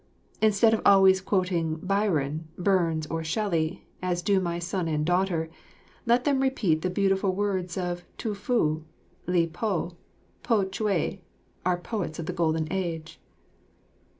Instead of always quoting Byron, Burns, or Shelley, as do my son and daughter, let them repeat the beautiful words of Tu Fu, Li Po, Po Chu i, our poets of the golden age.